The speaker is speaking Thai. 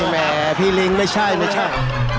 แหมพี่ลิงไม่ใช่ไม่ใช่